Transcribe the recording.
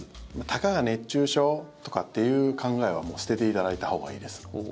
たかが熱中症とかっていう考えはもう捨てていただいたほうがいいです。